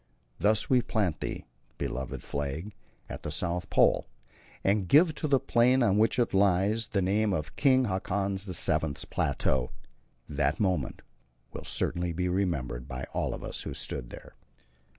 "Thus we plant thee, beloved flag, at the South Pole, and give to the plain on which it lies the name of King Haakon VII.'s Plateau." That moment will certainly be remembered by all of us who stood there.